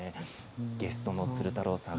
ゲストの鶴太郎さん